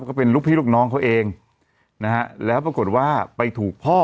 ก็เป็นลูกพี่ลูกน้องเขาเองนะฮะแล้วปรากฏว่าไปถูกพ่อ